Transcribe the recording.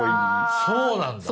そうなんだ！